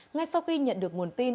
ngay sau khi nhận được nguồn tin